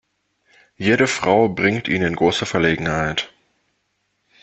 Jede Frau bringt ihn in große Verlegenheit.